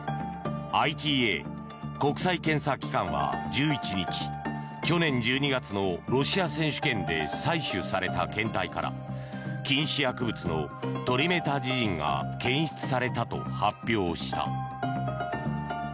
ＩＴＡ・国際検査機関は１１日去年１２月のロシア選手権で採取された検体から禁止薬物のトリメタジジンが検出されたと発表した。